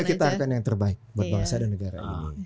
ya kita akan yang terbaik buat bangsa dan negara